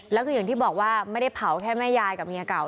แล้วคืออย่างที่บอกว่าไม่ได้เผาแค่แม่ยายกับเมียเก่า